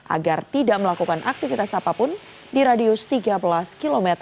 agar tidak melakukan aktivitas apapun di radius tiga belas km